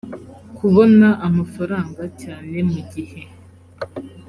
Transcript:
kubona amafaranga cyane mu gihe